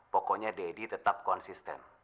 pokoknya dede tetap konsisten